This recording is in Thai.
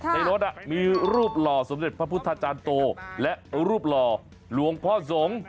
ในรถมีรูปหล่อสมเด็จพระพุทธจารย์โตและรูปหล่อหลวงพ่อสงฆ์